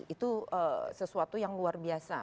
itu sesuatu yang luar biasa